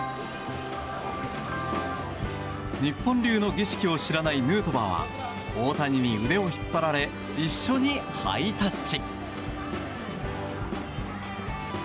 日本流の儀式を知らないヌートバーは大谷に腕を引っ張られ一緒にハイタッチ。